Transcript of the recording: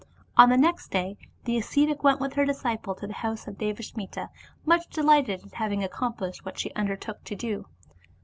On the next day the ascetic went with her disciple to the house of Devasmita, much delighted at having accomplished what she undertook to do.